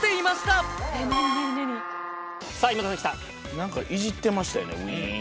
何かいじってましたよね。